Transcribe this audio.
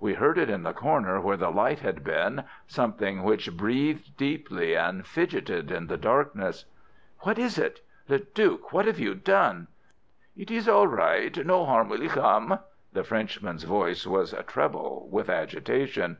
We heard it in the corner where the light had been, something which breathed deeply and fidgeted in the darkness. "What is it? Le Duc, what have you done?" "It is all right. No harm will come." The Frenchman's voice was treble with agitation.